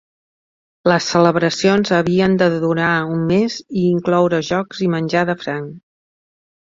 Les celebracions havien de durar un mes i incloure jocs i menjar de franc.